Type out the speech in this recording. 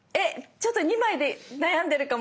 ちょっと２枚で悩んでるかもしれない。